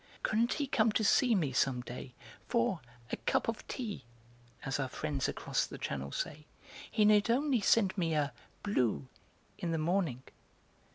"Couldn't he come to me some day for 'a cup of tea,' as our friends across the channel say; he need only send me a 'blue' in the morning?"